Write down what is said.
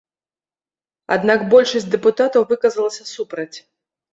Аднак большасць дэпутатаў выказалася супраць.